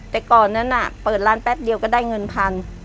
แต่ก่อนนั้นเปิดร้านแป๊บเดียวก็ได้เงินพัน